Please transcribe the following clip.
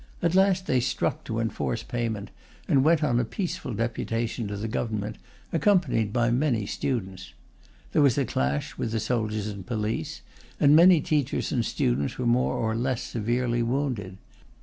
At last they struck to enforce payment, and went on a peaceful deputation to the Government, accompanied by many students. There was a clash with the soldiers and police, and many teachers and students were more or less severely wounded.